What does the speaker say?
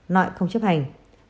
nội không chấp hành